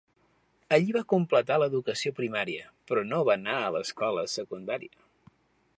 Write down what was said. Allí va completar l'educació primària, però no va anar a l'escola secundària.